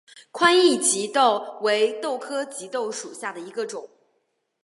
宽翼棘豆为豆科棘豆属下的一个种。